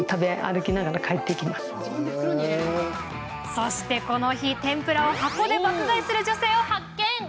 そしてこの日、天ぷらを箱で爆買いする女性を発見。